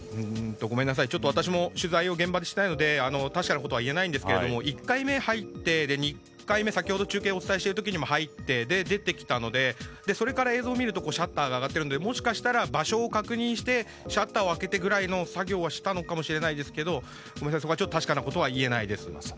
ちょっと私も取材を現場でしていないので確かなことは言えないんですが１回目入って２回目、先ほど中継でお伝えしているときにも入って出てきたのでそれから映像を見るとシャッターが上がっているのでもしかしたら場所を確認してシャッターを開けてくらいの作業はしたのかもしれないですが確かなことは言えないです。